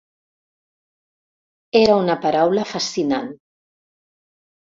Era una paraula fascinant.